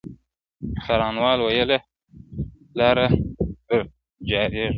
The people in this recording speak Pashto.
څارنوال ویله پلاره در جارېږم,